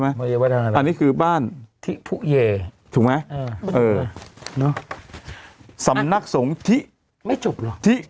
ไหมอันนี้คือบ้านที่ผู้เยถูกไหมสำนักสงฆ์ที่ไม่จบหรอที่